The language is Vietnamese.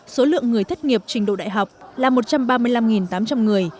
số lượng người thất nghiệp trình độ đại học là một trăm ba mươi năm tám trăm linh người